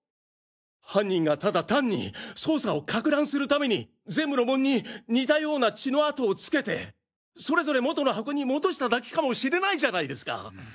犯人がただ単に捜査を攪乱する為に全部の盆に似たような血の跡を付けてそれぞれ元の箱に戻しただけかもしれないじゃないですか。